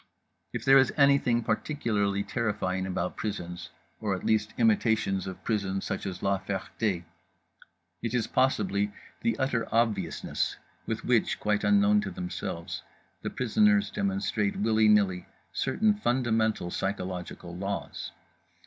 If there is anything particularly terrifying about prisons, or at least imitations of prisons such as La Ferté, it is possibly the utter obviousness with which (quite unknown to themselves) the prisoners demonstrate willy nilly certain fundamental psychological laws.